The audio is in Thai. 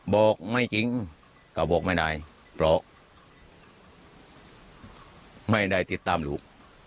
บอกไม่จริงก็บอกไม่ได้เพราะไม่ได้ติดตามลูก